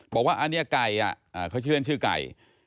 บอกว่าอันนี้ไก่เขาชื่อเล่นชื่อไก่